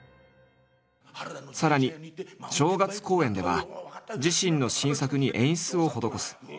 さらに正月公演では自身の新作に演出を施す。